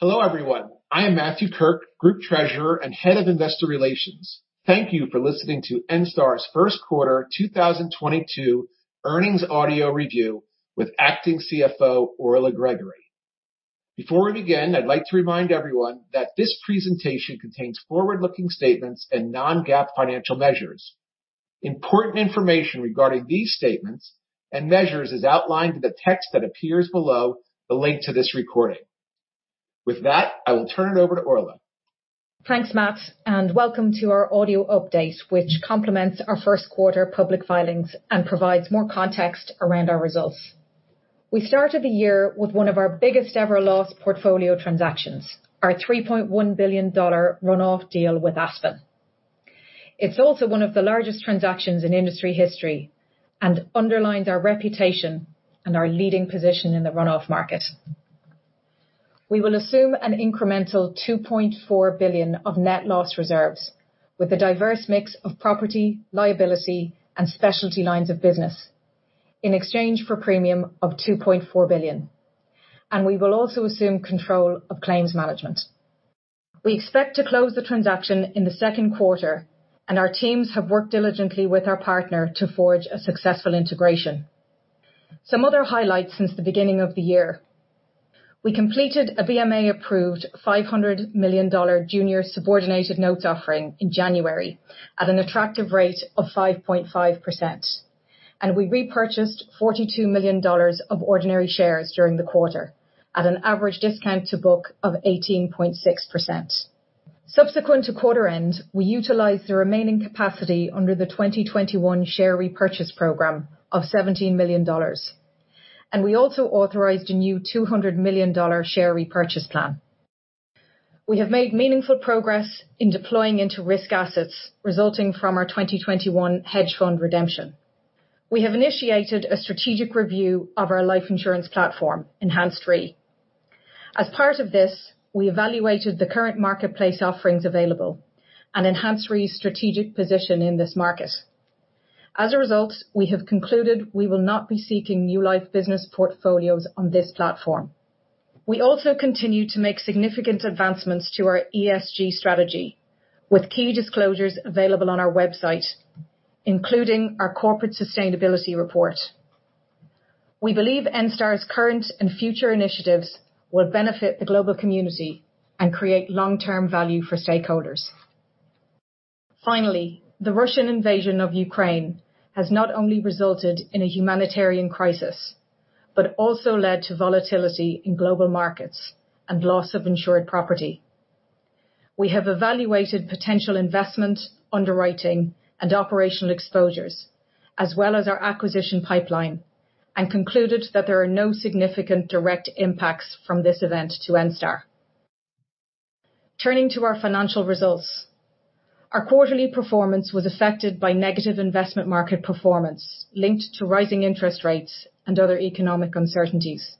Hello everyone, I am Matthew Kirk, Group Treasurer and Head of Investor Relations. Thank you for listening to Enstar's Q1 2022 earnings audio review with acting CFO, Orla Gregory. Before we begin, I'd like to remind everyone that this presentation contains forward-looking statements and non-GAAP financial measures. Important information regarding these statements and measures is outlined in the text that appears below the link to this recording. With that, I will turn it over to Orla. Thanks, Matt, and welcome to our audio update, which complements our Q1 public filings and provides more context around our results. We started the year with one of our biggest ever loss portfolio transfer, our $3.1 billion run-off deal with Aspen. It's also one of the largest transactions in industry history and underlines our reputation and our leading position in the run-off market. We will assume an incremental $2.4 billion of net loss reserves with a diverse mix of property, liability and specialty lines of business in exchange for premium of $2.4 billion. We will also assume control of claims management. We expect to close the transaction in Q2 and our teams have worked diligently with our partner to forge a successful integration. Some other highlights since the beginning of the year. We completed a BMA approved $500 million junior subordinated notes offering in January at an attractive rate of 5.5%. We repurchased $42 million of ordinary shares during the quarter at an average discount to book of 18.6%. Subsequent to quarter end, we utilized the remaining capacity under the 2021 share repurchase program of $17 million, and we also authorized a new $200 million share repurchase plan. We have made meaningful progress in deploying into risk assets resulting from our 2021 hedge fund redemption. We have initiated a strategic review of our life insurance platform, Enhanced Re. As part of this, we evaluated the current marketplace offerings available and Enhanced Re strategic position in this market. As a result, we have concluded we will not be seeking new life business portfolios on this platform. We also continue to make significant advancements to our ESG strategy with key disclosures available on our website, including our corporate sustainability report. We believe Enstar's current and future initiatives will benefit the global community and create long-term value for stakeholders. Finally, the Russian invasion of Ukraine has not only resulted in a humanitarian crisis, but also led to volatility in global markets and loss of insured property. We have evaluated potential investment, underwriting, and operational exposures, as well as our acquisition pipeline, and concluded that there are no significant direct impacts from this event to Enstar. Turning to our financial results. Our quarterly performance was affected by negative investment market performance linked to rising interest rates and other economic uncertainties.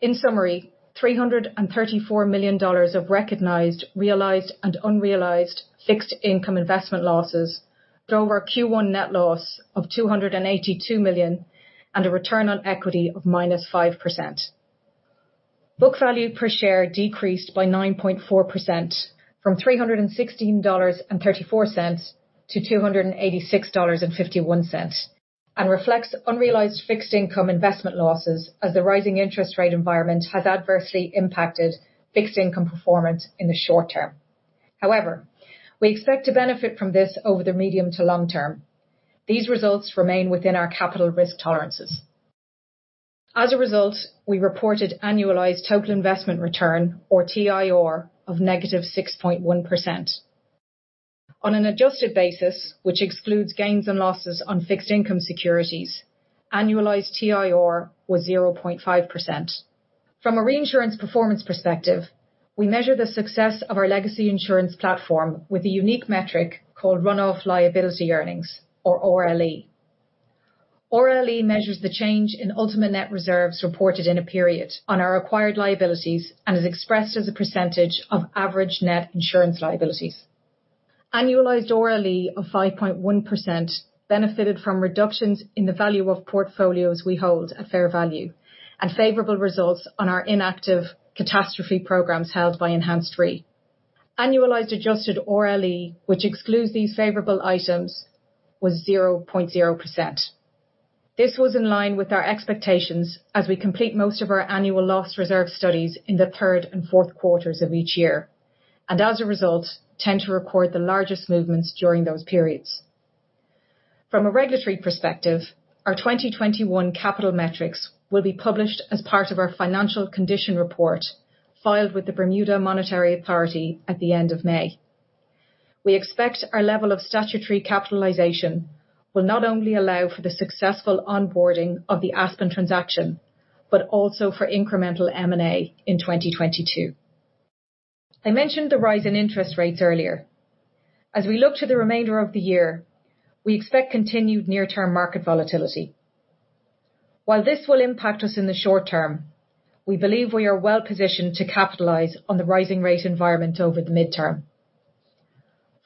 In summary, $334 million of recognized, realized, and unrealized fixed income investment losses drove our Q1 net loss of $282 million and a return on equity of -5%. Book value per share decreased by 9.4% from $316.34 to 286.51, and reflects unrealized fixed income investment losses as the rising interest rate environment has adversely impacted fixed income performance in the short term. However, we expect to benefit from this over the medium to long term. These results remain within our capital risk tolerances. As a result, we reported annualized total investment return or TIOR of -6.1%. On an adjusted basis, which excludes gains and losses on fixed income securities, annualized TIOR was 0.5%. From a reinsurance performance perspective, we measure the success of our legacy insurance platform with a unique metric called Run-Off Liability Earnings or OLE. OLE measures the change in ultimate net reserves reported in a period on our acquired liabilities and is expressed as a percentage of average net insurance liabilities. Annualized OLE of 5.1% benefited from reductions in the value of portfolios we hold at fair value and favorable results on our inactive catastrophe programs held by Enhanced Re. Annualized adjusted OLE, which excludes these favorable items, was 0.0%. This was in line with our expectations as we complete most of our annual loss reserve studies in Q3 and Q4 of each year, and as a result, tend to record the largest movements during those periods. From a regulatory perspective, our 2021 capital metrics will be published as part of our financial condition report filed with the Bermuda Monetary Authority at the end of May. We expect our level of statutory capitalization will not only allow for the successful onboarding of the Aspen transaction, but also for incremental M&A in 2022. I mentioned the rise in interest rates earlier. As we look to the remainder of the year, we expect continued near-term market volatility. While this will impact us in the short term, we believe we are well-positioned to capitalize on the rising rate environment over the midterm.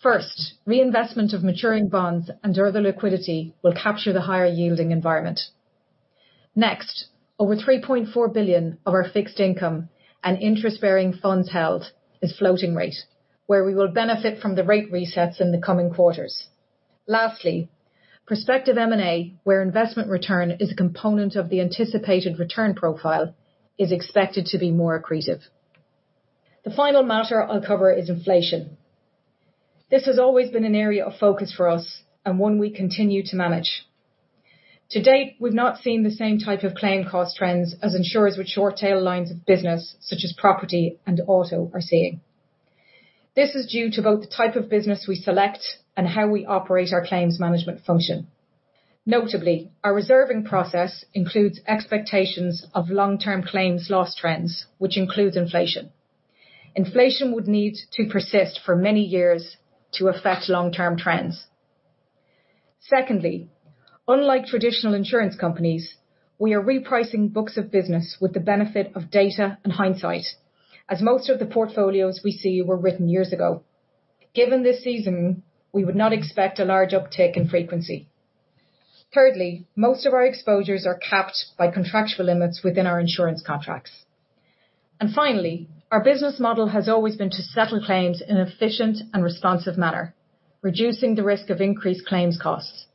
First, reinvestment of maturing bonds and other liquidity will capture the higher yielding environment. Next, over $3.4 billion of our fixed income and interest-bearing funds held is floating rate, where we will benefit from the rate resets in the coming quarters. Lastly, prospective M&A, where investment return is a component of the anticipated return profile, is expected to be more accretive. The final matter I'll cover is inflation. This has always been an area of focus for us and one we continue to manage. To date, we've not seen the same type of claim cost trends as insurers with short tail lines of business, such as property and auto are seeing. This is due to both the type of business we select and how we operate our claims management function. Notably, our reserving process includes expectations of long-term claims loss trends, which includes inflation. Inflation would need to persist for many years to affect long-term trends. Secondly, unlike traditional insurance companies, we are repricing books of business with the benefit of data and hindsight, as most of the portfolios we see were written years ago. Given this season, we would not expect a large uptick in frequency. Thirdly, most of our exposures are capped by contractual limits within our insurance contracts. Finally, our business model has always been to settle claims in an efficient and responsive manner, reducing the risk of increased claims costs.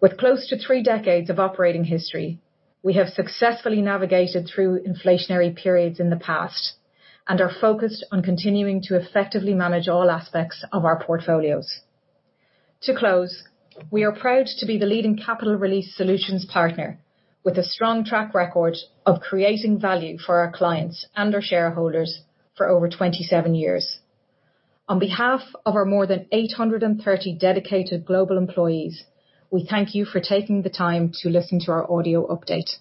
With close to three decades of operating history, we have successfully navigated through inflationary periods in the past and are focused on continuing to effectively manage all aspects of our portfolios. To close, we are proud to be the leading capital release solutions partner with a strong track record of creating value for our clients and our shareholders for over 27 years. On behalf of our more than 830 dedicated global employees, we thank you for taking the time to listen to our audio update.